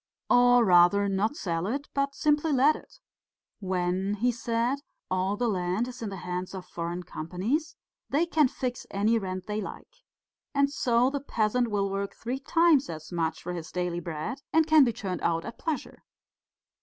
Or rather, not sell it, but simply let it. When,' he said, 'all the land is in the hands of foreign companies they can fix any rent they like. And so the peasant will work three times as much for his daily bread and he can be turned out at pleasure.